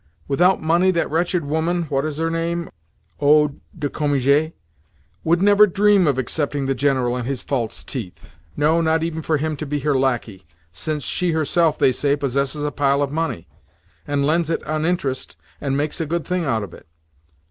Without money that wretched woman (what is her name?—Oh, De Cominges) would never dream of accepting the General and his false teeth—no, not even for him to be her lacquey—since she herself, they say, possesses a pile of money, and lends it on interest, and makes a good thing out of it.